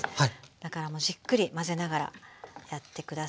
だからじっくり混ぜながらやって下さい。